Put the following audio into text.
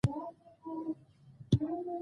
زه د خدای جل جلاله په رضا خوښ یم.